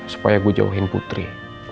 supaya gue jauhin putri